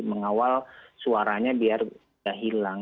mengawal suaranya biar tidak hilang